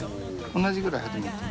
同じぐらい始めてる。